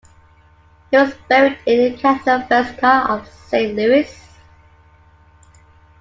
He was buried in the Cathedral Basilica of Saint Louis.